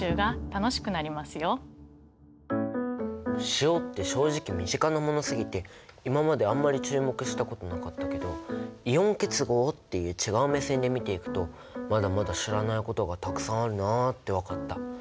塩って正直身近なものすぎて今まであんまり注目したことなかったけどイオン結合っていう違う目線で見ていくとまだまだ知らないことがたくさんあるなって分かった。